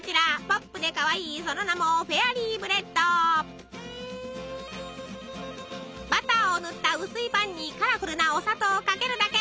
ポップでかわいいその名もバターを塗った薄いパンにカラフルなお砂糖をかけるだけ。